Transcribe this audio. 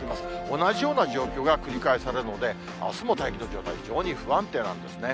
同じような状況が繰り返されるので、あすも大気の状態、非常に不安定なんですね。